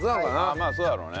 まあそうだろうね。